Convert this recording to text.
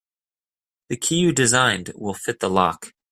The key you designed will fit the lock.